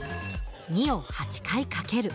２を８回かける。